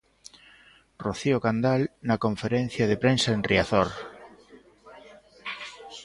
Rocío Candal na conferencia de prensa en Riazor.